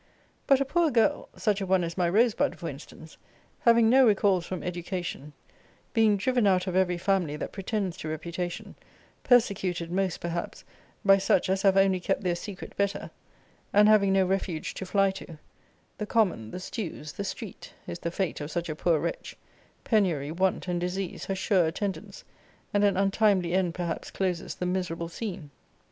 But a poor girl [such a one as my Rosebud for instance] having no recalls from education; being driven out of every family that pretends to reputation; persecuted most perhaps by such as have only kept their secret better; and having no refuge to fly to the common, the stews, the street, is the fate of such a poor wretch; penury, want, and disease, her sure attendants; and an untimely end perhaps closes the miserable scene.